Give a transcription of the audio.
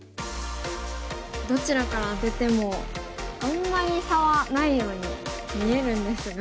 どちらからアテてもあんまり差はないように見えるんですが。